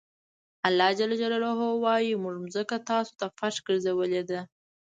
الله ج وایي موږ ځمکه تاسو ته فرش ګرځولې ده.